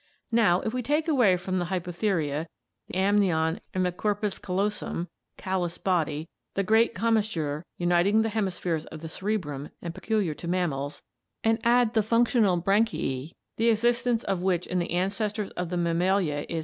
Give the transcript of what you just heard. Now, if we take away from the Hypotheria the amnion and the corpus callosum [callous body — the great commissure uniting the hemispheres of the cerebrum and peculiar to mammals] and add the functional branchiae, the existence of which in the ancestors of the Mammalia is